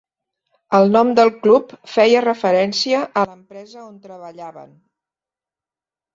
El nom del club feia referència a l'empresa on treballaven.